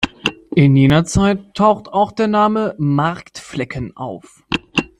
In jener Zeit taucht auch der Name „Marktflecken“ auf.